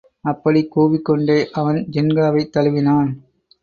அப்படிக் கூவிக்கொண்டே அவன் ஜின்காவைத் தழுவினான்.